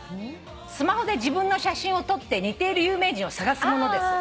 「スマホで自分の写真を撮って似ている有名人を探すものです」